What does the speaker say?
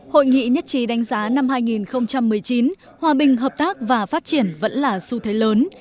hội nghị nhất trí đánh giá năm hai nghìn một mươi chín hòa bình hợp tác và phát triển vẫn là xu thế lớn